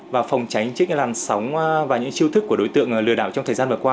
và phòng tránh trước làn sóng và những chiêu thức của đối tượng lừa đảo trong thời gian vừa qua